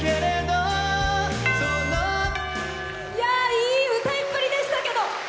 いい歌いっぷりでしたけど。